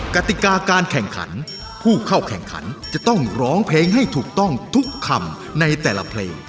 กติกาการแข่งขันผู้เข้าแข่งขันจะต้องร้องเพลงให้ถูกต้องทุกคำในแต่ละเพลง